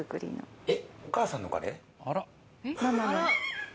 えっ？